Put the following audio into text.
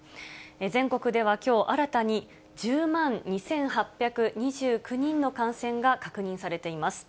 全国ではきょう、新たに１０万２８２９人の感染が確認されています。